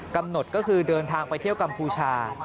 กำหนดก็คือเดินทางไปเที่ยวกัมพูชา